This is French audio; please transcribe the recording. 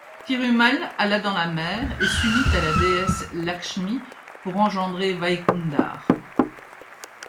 Thirumal alla dans la mer et s'unit à la déesse Lakshmi pour engendrer Vaikundar.